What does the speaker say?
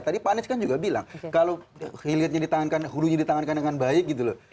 tadi pak anies kan juga bilang kalau hilirnya ditahankan hulunya ditangankan dengan baik gitu loh